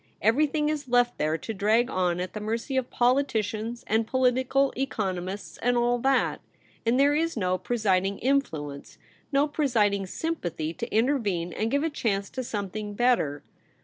Everything is left there to drag on at the mercy of politicians and political economists and all that ; and there is no pre siding influence, no presiding sympathy, to intervene and give a chance to something better.